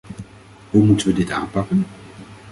Hoe moeten we dit aanpakken?